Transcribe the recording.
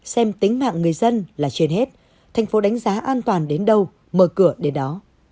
xem tính mạng người dân là trên hết thành phố đánh giá an toàn đến đâu mở cửa đến đó